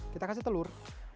kita kasih telur